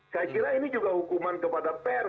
saya kira ini juga hukuman kepada pers